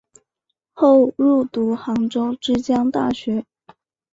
后入读杭州之江大学。